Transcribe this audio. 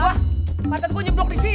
ya pantat gua nyepdok disini